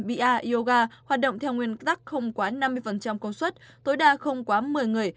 ba yoga hoạt động theo nguyên tắc không quá năm mươi công suất tối đa không quá một mươi người